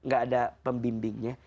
gak ada pembimbingnya